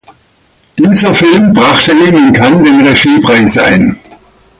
Dieser Film brachte ihm in Cannes den Regiepreis ein.